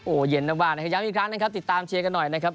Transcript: โอ้โหเย็นมากนะครับย้ำอีกครั้งนะครับติดตามเชียร์กันหน่อยนะครับ